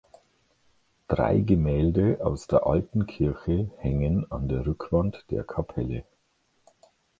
Drei Gemälde aus der alten Kirche hängen an der Rückwand der Kapelle.